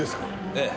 ええ。